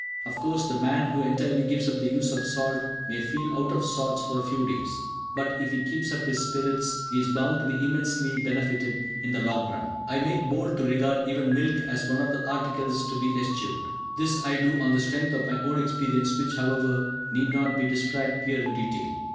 Of course, the man who entirely gives up the use of salt may feel out of sorts for a few days; but, if he keeps up his spirits, he is bound to be immensely benefitted in the long run. I make bold to regard even milk as one of the articles to be eschewed! This I do on the strength of my own experience which, however, need not be described here in detail.